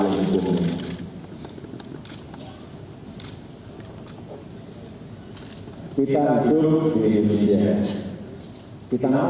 uang itu kebetulan